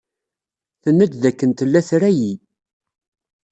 Tenna-d dakken tella tra-iyi.